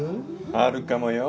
あるかもよ。